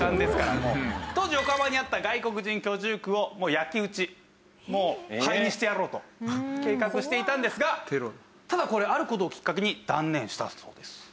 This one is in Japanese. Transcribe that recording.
当時横浜にあった外国人居住区を焼き討ちもう灰にしてやろうと計画していたんですがただこれある事をきっかけに断念したそうです。